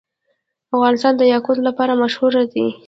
افغانستان د یاقوت لپاره مشهور دی.